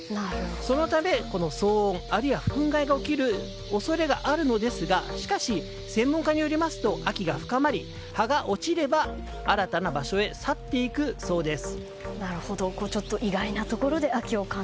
そのため、騒音あるいはふん害が起こる恐れがあるのですがしかし、専門家によりますと秋が深まり葉が落ちれば、新たな場所へ去っていくそうです。